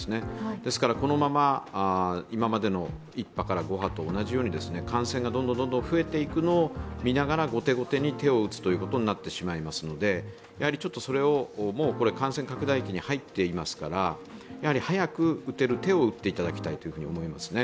ですから、このまま今までの１波から５波と同じように感染がどんどん増えていくのを見ながら、後手後手に手を打つということになってしまいますのでもう感染拡大期に入っていますから早く打てる手を打っていただきたいと思います。